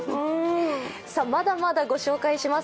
まだまだ御紹介します。